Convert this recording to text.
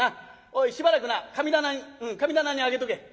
おいしばらくな神棚に神棚に上げとけ。